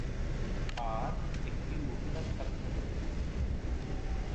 আর একটি মহিলা ছাত্রদের জন্য।